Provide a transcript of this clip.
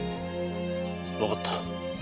わかった。